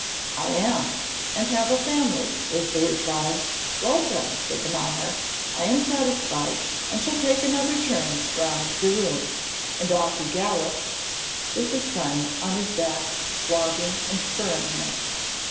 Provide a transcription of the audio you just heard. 'I am, and have a family,' was the reply. 'Well, then,' said the monarch, 'I am satisfied, and shall take another turn round the room,' and off he galloped, with his son on his back flogging and spurring him.